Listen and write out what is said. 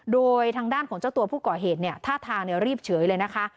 โดยทางด้านของเจ้าตัวผู้ก่อเหตุเนี่ยท่าทางรีบเฉยเลยนะคะ